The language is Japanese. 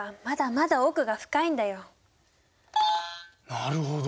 なるほど。